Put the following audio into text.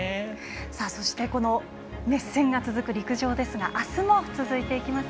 そして、熱戦が続く陸上ですがあすも続いていきます。